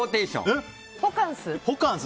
ホカンス。